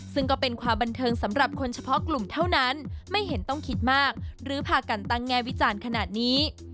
ซึ่งก็เป็นความบันเทิงสำหรับคนเฉพาะกลุ่มเท่านั้นไม่เห็นต้องคิดมากหรือพากันตั้งแง่วิจารณ์ขนาดนี้